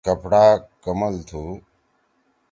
کپڑا کمل تُھو۔